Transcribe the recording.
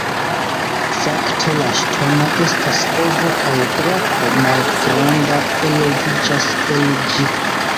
Fakte la ŝtono estas ovo kaj drako malgranda eloviĝas el ĝi.